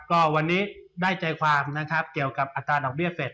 ก็วันนี้ได้ใจความเกี่ยวกับอัตราดอกเรียกเฟส